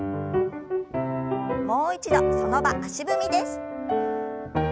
もう一度その場足踏みです。